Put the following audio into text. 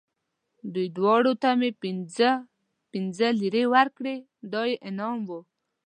دوی دواړو ته مې پنځه پنځه لېرې ورکړې، دا یې انعام و.